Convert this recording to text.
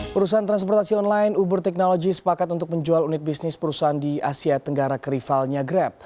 perusahaan transportasi online uber technology sepakat untuk menjual unit bisnis perusahaan di asia tenggara ke rivalnya grab